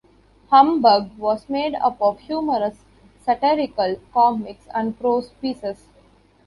"Humbug" was made up of humorous, satirical comics and prose pieces.